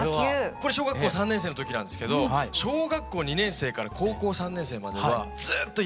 これ小学校３年生の時なんですけど小学校２年生から高校３年生まではずっと野球を一筋に。